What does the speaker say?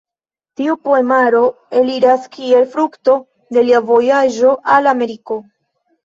Tiu poemaro eliras kiel frukto de lia vojaĝo al Ameriko.